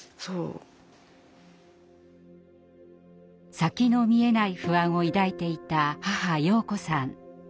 先の見えない不安を抱いていた母洋子さん。